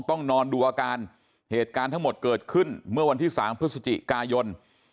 ต้องนอนดูอาการเหตุการณ์ทั้งหมดเกิดขึ้นเมื่อวันที่๓พฤศจิกายน